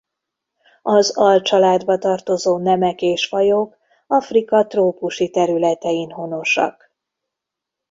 Az alcsaládba tartozó nemek és fajok Afrika trópusi területein honosak.